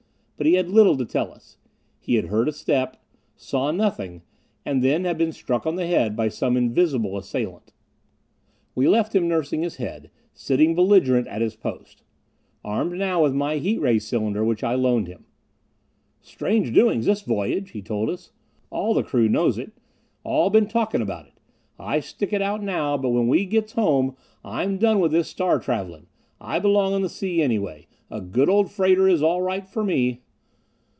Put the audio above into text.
But he had little to tell us. He had heard a step. Saw nothing and then had been struck on the head, by some invisible assailant. We left him nursing his head, sitting belligerent at his post. Armed now with my heat ray cylinder which I loaned him. "Strange doings this voyage," he told us. "All the crew knows it all been talkin' about it. I stick it out now, but when we get back home I'm done with this star travelin'. I belong on the sea anyway. A good old freighter is all right for me."